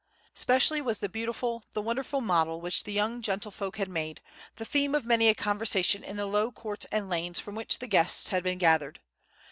Specially was the beautiful, the wonderful model which the young gentlefolk had made, the theme of many a conversation in the low courts and lanes from which the guests had been gathered.